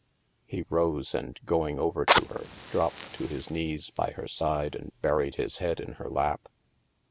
He rose and, going over to her, dropped to his knees by her side and buried his head in her lap.